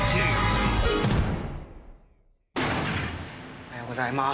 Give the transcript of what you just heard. おはようございます。